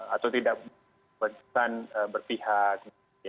atau tidak berpihak